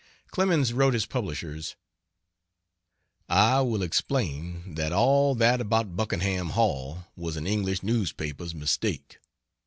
Clemens wrote his publishers: "I will explain that all that about Buckenham Hall was an English newspaper's mistake.